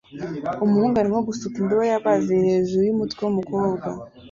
Umuhungu arimo gusuka indobo y'amazi hejuru yumutwe wumukobwa